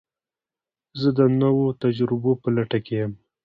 زه د نوو تجربو په لټه کې یم.